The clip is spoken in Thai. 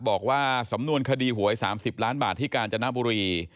บอกว่าสำนวนคดีหวย๓๐ล้านบาทที่กาญจนบุรี